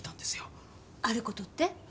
ある事って？